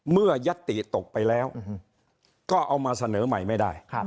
ยัตติตกไปแล้วก็เอามาเสนอใหม่ไม่ได้